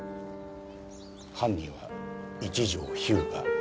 犯人は一条彪牙。